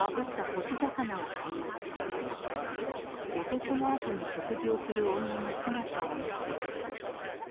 男のあとに食事をする女の姿を見て男は哀れみます。